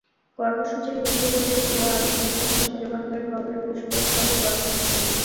কর্মসূচির মধ্যে রয়েছে দোয়া, আলোচনা সভা, শেরেবাংলার কবরে পুষ্পস্তবক অর্পণ ইত্যাদি।